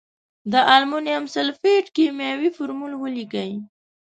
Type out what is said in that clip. د المونیم سلفیټ کیمیاوي فورمول ولیکئ.